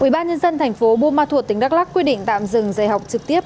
quỹ ban nhân dân thành phố bùa ma thuột tỉnh đắk lắc quyết định tạm dừng dạy học trực tiếp